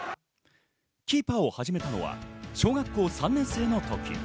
キーパーを始めたのは、小学校３年生の時。